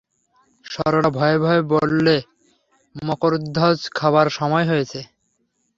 সরলা ভয়ে ভয়ে বললে, মকরধ্বজ খাবার সময় হয়েছে।